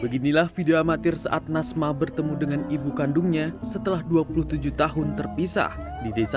beginilah video amatir saat nasma bertemu dengan ibu kandungnya setelah dua puluh tujuh tahun terpisah di desa